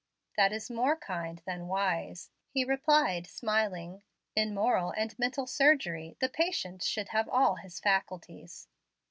"That is more kind than wise," he replied, smiling; "in moral and mental surgery the patient should have all his faculties."